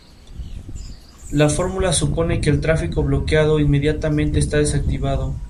Se disputó en la localidad de Jacksonville, Estados Unidos.